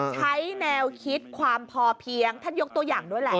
ใช้แนวคิดความพอเพียงท่านยกตัวอย่างด้วยแหละ